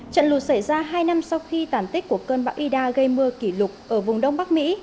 trận lụt xảy ra hai năm sau khi tản tích của cơn bão ida gây mưa kỷ lục ở vùng đông bắc mỹ